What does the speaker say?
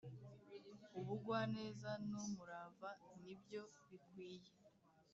ubugwaneza n’umurava ni byo bikwiye